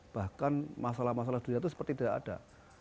bahkan masalah masalah dunia itu seperti tidak ada